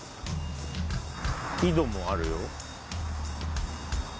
井戸もあるよ。